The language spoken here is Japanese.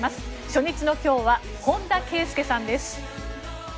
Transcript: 初日の今日は本田圭佑さんです。